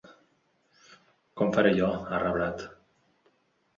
Com faré jo, ha reblat.